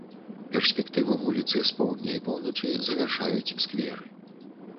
Перспектыву вуліцы з поўдня і поўначы завяршаюць скверы.